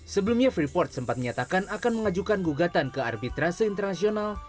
sebelumnya freeport sempat menyatakan akan mengajukan gugatan ke arbitrase internasional